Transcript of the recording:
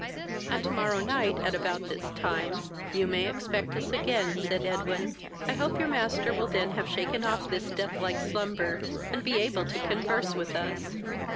"And tomorrow night, at about this time, you may expect us again, (said Edwin.) I hope your master will then have shaken off this death like slumber, and be able to converse with us."